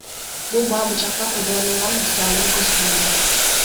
Бул баа бычакка пайдаланылган материалдан көз каранды.